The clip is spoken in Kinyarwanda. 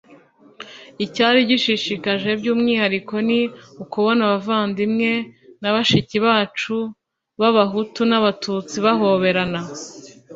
icyari gishishikaje by umwihariko ni ukubona abavandimwe na bashiki bacu b Abahutu n Abatutsi bahoberana